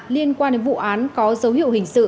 liên quan đến vụ án có dấu hiệu hình sự